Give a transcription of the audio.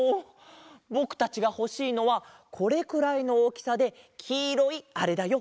ぼくたちがほしいのはこれくらいのおおきさできいろいあれだよ。